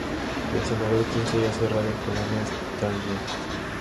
El Senador Kinsey ha cerrado el programa Stargate.